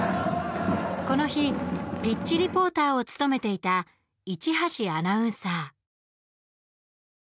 この日、ピッチリポーターを務めていた一橋アナウンサー。